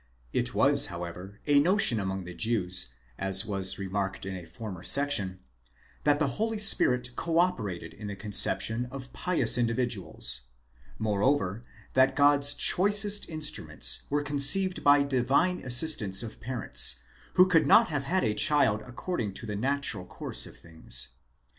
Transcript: ® It was, however, a notion among the Jews, as was semarked in a former section, that the Holy Spirit co operated in the concep tion of pious individuals; moreover, that God's choicest instruments were conceived by divine assistance of parents, who could not have had a child according to the natural course of things.